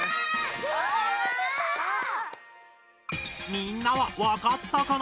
みんなはわかったかな？